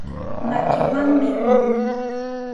Makiwanmi muruu.